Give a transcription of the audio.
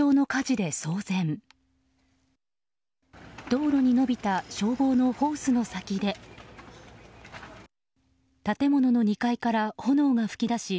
道路に伸びた消防のホースの先で建物の２階から炎が噴き出し